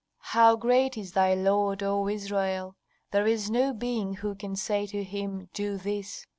"How great is thy Lord, O Israel! There is no being who can say to Him, 'Do this!'